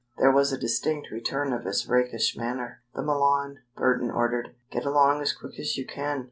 There was a distinct return of his rakish manner. "The Milan!" Burton ordered. "Get along as quick as you can.